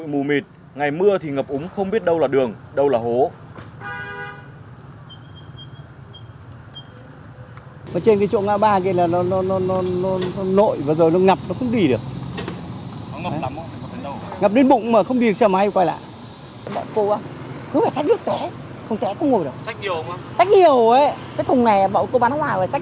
một ngày bao nhiêu thùng bác